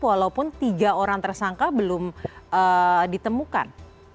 walaupun tiga orang tersangka belum ditemukan